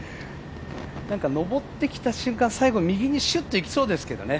上ってきた瞬間、最後右にシュッといきそうですけどね。